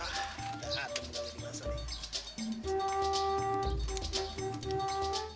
hah enak nih ini basah nih